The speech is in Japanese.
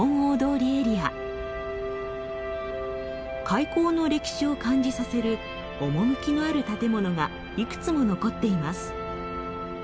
開港の歴史を感じさせる趣のある建物がいくつも残っています。